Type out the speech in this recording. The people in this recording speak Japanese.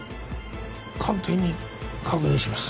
官邸に確認します。